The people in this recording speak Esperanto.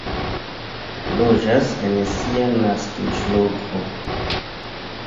Loĝas en sia naskiĝloko.